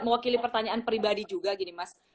mewakili pertanyaan pribadi juga gini mas